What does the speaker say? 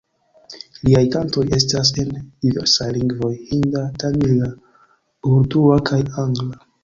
Liaj kantoj estas en diversaj lingvoj: hinda, tamila, urdua kaj angla.